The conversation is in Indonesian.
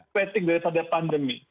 fetik daripada pandemi